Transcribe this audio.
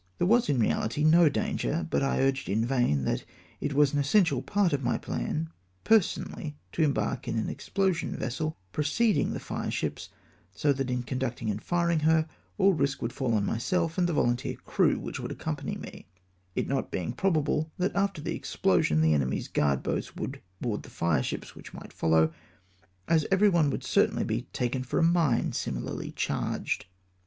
There was in reality no danger; but I urged in vain that it was an essential part of my plan personally to em bark in an explosion vessel, preceding the fireships, so that in conducting and firing her all risk would fall on myself and the volunteer crew which would accom pany me ; it not being probable that after the explosion the enemy's guard boats would board the fireships which might follow, as every one would certainly be taken for a mine similarly charged.